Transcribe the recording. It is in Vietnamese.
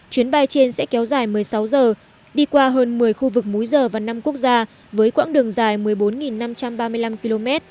chuyến bay trên sẽ kéo dài một mươi sáu giờ đi qua hơn một mươi khu vực múi giờ và năm quốc gia với quãng đường dài một mươi bốn năm trăm ba mươi năm km